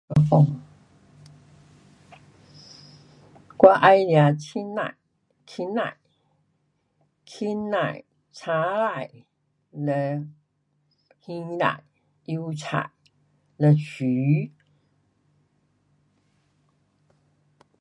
[unintelligible] 我爱吃芹菜，芹菜，芹菜，青菜，嘞苋菜，油菜，嘞鱼。